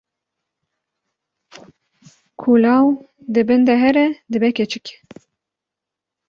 ku law di bin de here dibe keçik